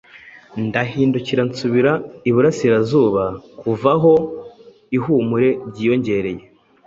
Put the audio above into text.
Ndahindukira nsubira iburasirazuba, Kuva aho ihumure ryiyongereye;